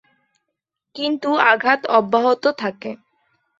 কিন্তু আঘাত অব্যাহত থাকে।